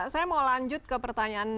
saya mau lanjut ke pertanyaan